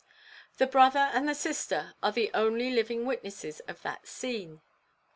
"The brother and the sister are the only living witnesses of that scene.